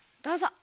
どうぞ。